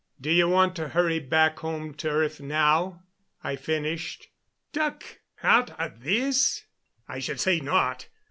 "Do you want to hurry back home to earth now?" I finished. "Duck out of this? I should say not.